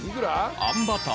［あんバター。